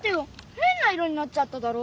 へんな色になっちゃっただろ！